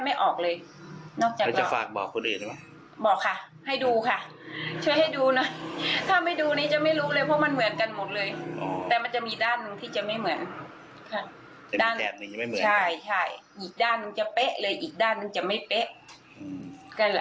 อีกด้านนึงจะเป๊ะเลยอีกด้านนึงจะไม่เป๊ะ